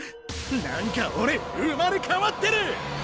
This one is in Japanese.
なんかおれ生まれ変わってる！